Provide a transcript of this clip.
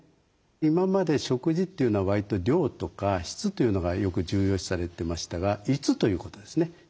今まで食事というのはわりと量とか質というのがよく重要視されてましたが「いつ」ということですね。